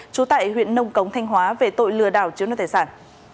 trú tại huyện nông cống thanh hóa về tội lừa đảo chiếu nước tài sản